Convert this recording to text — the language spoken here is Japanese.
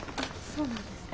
そうなんですね。